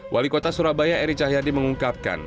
wali kota surabaya eri cahyadi mengungkapkan